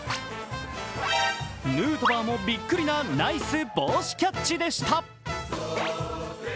ヌートバーもびっくりなナイス帽子キャッチでした。